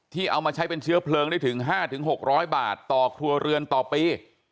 เอามาใช้เป็นเชื้อเพลิงได้ถึง๕๖๐๐บาทต่อครัวเรือนต่อปี